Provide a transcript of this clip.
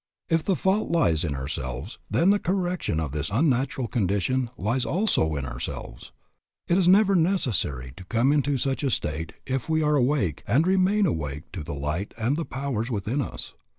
If the fault lies in ourselves then the correction of this unnatural condition lies also in ourselves. It is never necessary to come into such a state if we are awake and remain awake to the light and the powers within us.